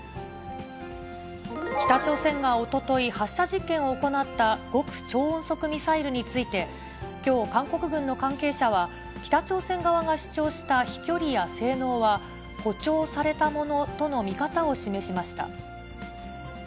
北朝鮮がおととい、発射実験を行った極超音速ミサイルについて、きょう、韓国軍の関係者は、北朝鮮側が主張した飛距離や性能は、誇張されたものとの見方を示しました。